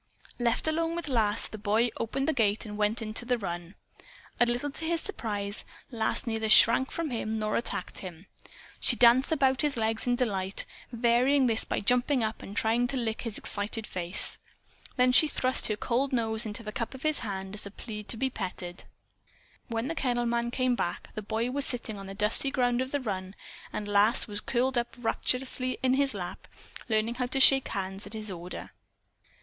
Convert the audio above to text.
Left alone with Lass, the boy opened the gate and went into the run. A little to his surprise Lass neither shrank from him nor attacked him. She danced about his legs in delight, varying this by jumping up and trying to lick his excited face. Then she thrust her cold nose into the cup of his hand as a plea to be petted. When the kennel man came back, the boy was sitting on the dusty ground of the run, and Lass was curled up rapturously in his lap, learning how to shake hands at his order.